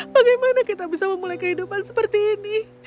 bagaimana kita bisa memulai kehidupan seperti ini